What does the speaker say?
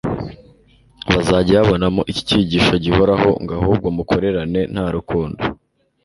Bazajya babonamo iki cyigisho gihoraho ngo : «ahubwo mukorerane mta rukundo.`»